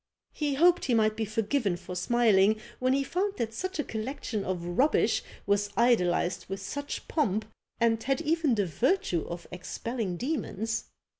He hoped he might be forgiven for smiling, when he found that such a collection of rubbish was idolized with such pomp, and had even the virtue of expelling demons.